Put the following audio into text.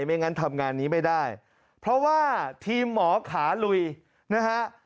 ไม่งั้นทำงานนี้ไม่ได้เพราะว่าทีมหมอขาลุยนะฮะ